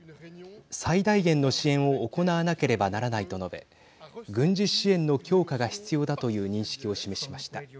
最大限の支援を行わなければならないと述べ軍事支援の強化が必要だという認識を示しました。